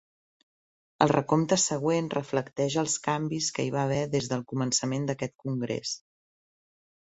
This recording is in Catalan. El recompte següent reflecteix els canvis que hi va haver des del començament d'aquest congrés.